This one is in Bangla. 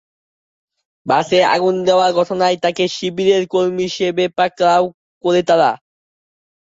বাসে আগুন দেওয়ার ঘটনায় তাঁকে শিবিরের কর্মী হিসেবে পাকাড়াও করে তারা।